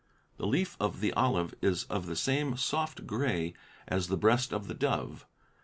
The leaf of the olive is of the same soft gray as the breast of the dove.